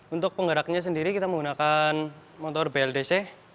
untuk penggeraknya sendiri kita menggunakan motor bldc